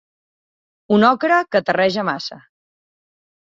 Un ocre que terreja massa.